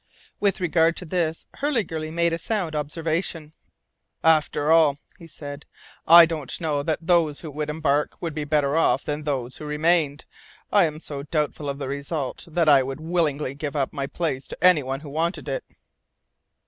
With regard to this Hurliguerly made a sound observation. "After all," he said, "I don't know that those who would embark would be better off than those who remained! I am so doubtful of the result, that I would willingly give up my place to anyone who wanted it."